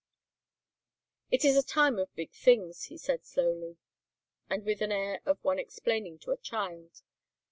"It is a time of big things," he said slowly and with an air of one explaining to a child.